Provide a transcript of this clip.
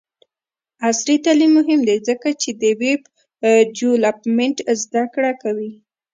عصري تعلیم مهم دی ځکه چې د ویب ډیولپمنټ زدکړه کوي.